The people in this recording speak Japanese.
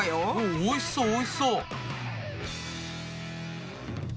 おいしそうおいしそう。